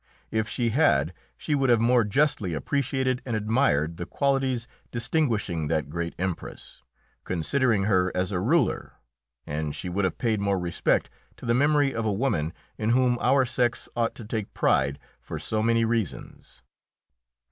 If she had, she would have more justly appreciated and admired the qualities distinguishing that great Empress, considering her as a ruler, and she would have paid more respect to the memory of a woman in whom our sex ought to take pride for so many reasons.